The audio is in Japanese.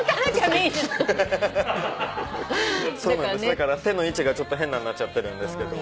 だから手の位置が変なんなっちゃってるんですけど。